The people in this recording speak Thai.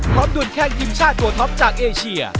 ดวนแข้งทีมชาติตัวท็อปจากเอเชีย